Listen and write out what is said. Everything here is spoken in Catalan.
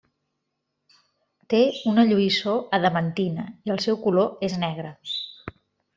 Té una lluïssor adamantina i el seu color és negre.